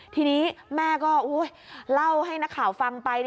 ทีนี้แม่ก็เล่าให้นักข่าวฟังไป